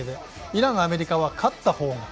イラン、アメリカは勝った方が。